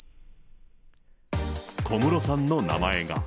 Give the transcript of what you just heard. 小室さんの名前が。